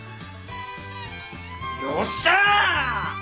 よっしゃ！